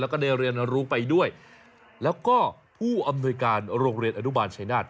แล้วก็ได้เรียนรู้ไปด้วยแล้วก็ผู้อำนวยการโรงเรียนอนุบาลชายนาฏ